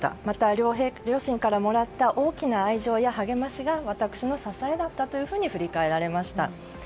また両親からもらった大きな愛情や励ましが私の支えだったというふうに振り返られました。